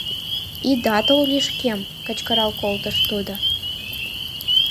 — Ида тол лишкем! — кычкырал колтыш тудо.